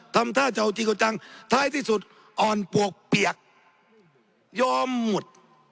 ทำท่าจะเอาจริงเอาจังท้ายที่สุดอ่อนปวกเปียกยอมหมด